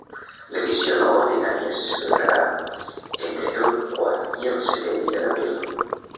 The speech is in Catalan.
L'edició no ordinària se celebrarà entre el quart i el setè dia d'abril.